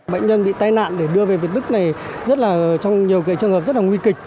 bệnh nhân bị tai nạn để đưa về việt đức này trong nhiều trường hợp rất nguy kịch